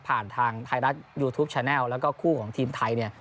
ทางไทยรัฐยูทูปแชนัลแล้วก็คู่ของทีมไทยเนี่ย